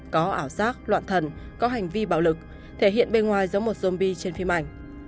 có ảo giác loạn thần có hành vi bạo lực thể hiện bên ngoài giống một xôn bi trên phim ảnh